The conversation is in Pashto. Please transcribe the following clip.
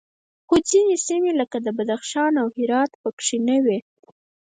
خو ځینې سیمې لکه بدخشان او هرات پکې نه وې